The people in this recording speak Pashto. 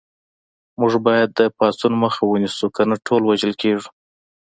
موږ باید د پاڅون مخه ونیسو کنه ټول وژل کېږو